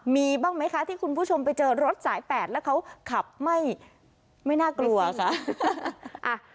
มีบ้างไหมคะที่คุณผู้ชมไปเจอรถสายแปดแล้วเขาขับไม่น่ากลัวค่ะ